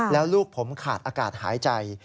แล้วลูกผมขาดอากาศหายใจ